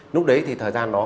lúc đấy thì thời gian đó